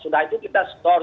sudah itu kita store